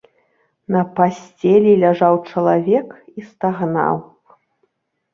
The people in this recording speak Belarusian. На пасцелі ляжаў чалавек і стагнаў.